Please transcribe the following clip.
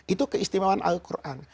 itu keistimewaan al quran